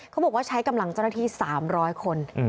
บอกว่าใช้กำลังเจ้าหน้าที่๓๐๐คน